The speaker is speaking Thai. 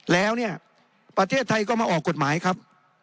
แล้วเนี่ยประเทศไทยก็มาออกกฎหมายครับ